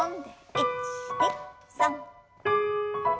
１２３。